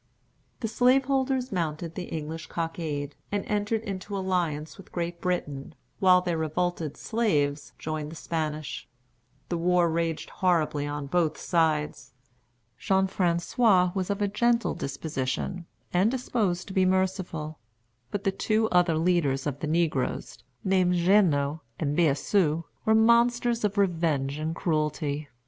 The slaveholders mounted the English cockade, and entered into alliance with Great Britain, while their revolted slaves joined the Spanish. The war raged horribly on both sides. Jean François was of a gentle disposition, and disposed to be merciful; but the two other leaders of the negroes, named Jeannot and Biassou, were monsters of revenge and cruelty.